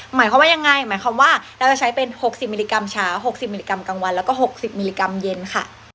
หมายความว่ายังไงหมายความว่าเราจะใช้เป็น๖๐มิลลิกรัมเช้า๖๐มิลลิกรัมกลางวันแล้วก็๖๐มิลลิกรัมเย็นค่ะ